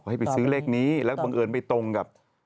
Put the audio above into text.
ให้ไปซื้อเลขนี้แล้วบังเอิญไปตรงกับ